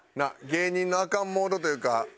芸人のアカンモードというか。